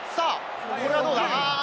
これはどうだ？